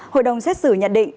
hội đồng xét xử nhận định